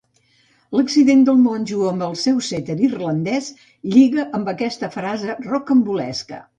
L'accident del monjo amb el seu setter irlandès lliga amb aquesta frase rocambolesca.